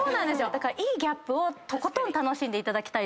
いいギャップをとことん楽しんでいただきたいと。